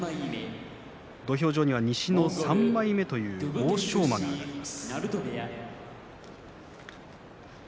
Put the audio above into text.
土俵上、西の３枚目という欧勝馬が上がります。